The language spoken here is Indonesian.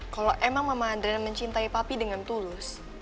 kalo emang mama adiana mencintai papi dengan tulus